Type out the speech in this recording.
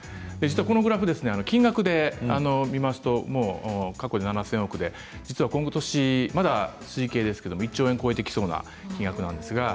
このグラフは金額で見ますと過去に７０００億でことし、まだ推計ですが１兆円を超えてきそうな金額です。